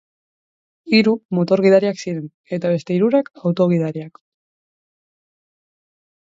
Hiru motor-gidariak ziren, eta beste hirurak, auto-gidariak.